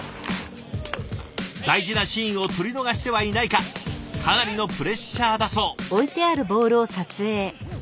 大事なシーンを撮り逃してはいないかかなりのプレッシャーだそう。